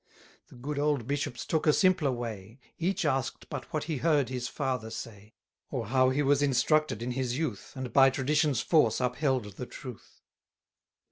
The good old bishops took a simpler way; Each ask'd but what he heard his father say, Or how he was instructed in his youth, And by tradition's force upheld the truth.